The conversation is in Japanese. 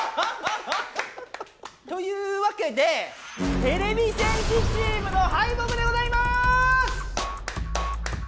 というわけでてれび戦士チームの敗北でございます！